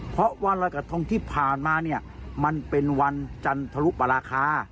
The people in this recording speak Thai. เพราะวันรอยกระทงที่ผ่านมาเนี่ยมันเป็นวันจันทรุปราคา